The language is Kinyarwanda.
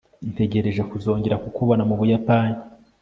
ntegereje kuzongera kukubona mu buyapani